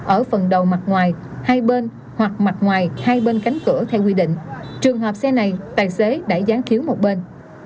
ở phần đầu mặt ngoài hai bên hoặc mặt ngoài hai bên cánh cửa theo quy định trường hợp xe này tài xế đẩy gián chiếu một bên